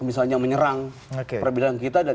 misalnya menyerang perbedaan kita dan